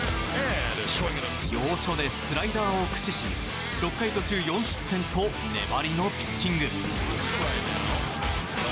要所でスライダーを駆使し６回途中４失点と粘りのピッチング。